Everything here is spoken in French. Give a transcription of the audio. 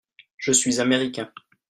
Je suis Américain.